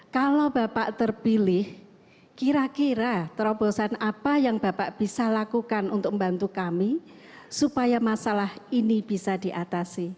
kalau bapak terpilih kira kira terobosan apa yang bapak bisa lakukan untuk membantu kami supaya masalah ini bisa diatasi